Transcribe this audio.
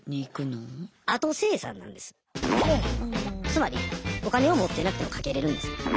つまりお金を持ってなくても賭けれるんですね。